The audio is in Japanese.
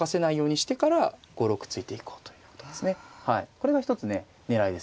これが一つね狙いですね。